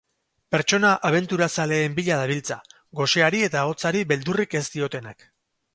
Pertsona abenturazaleen bila dabiltza, goseari eta hotzari beldurrik ez diotenak.